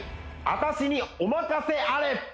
私にお任せあれ！